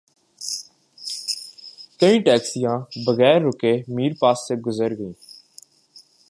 کئی ٹیکسیاں بغیر رکے میر پاس سے گزر گئیں